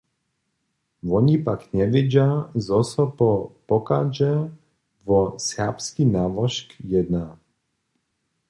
Woni pak njewědźa, zo so po pochadźe wo serbski nałožk jedna.